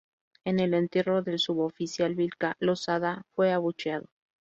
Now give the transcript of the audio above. En el entierro del suboficial Vilca, Lozada fue abucheado.